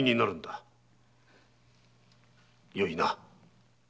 よいな。